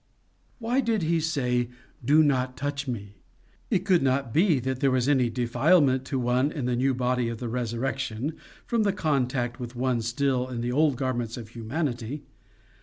"Why did he say, DO NOT TOUCH ME? It could not be that there was any defilement to one in the new body of the resurrection, from contact with one still in the old garments of humanity.